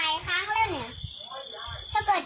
ไม่ต้องกลับบ้าน